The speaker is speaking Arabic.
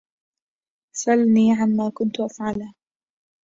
سالني عما كنت افعله?